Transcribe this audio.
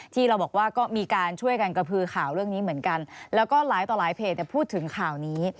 ที่เราบอกว่าก็มีการช่วยกันกระพือข่าวเรื่องนี้เหมือนกันแล้วก็หลายต่อหลายเพจพูดถึงข่าวนี้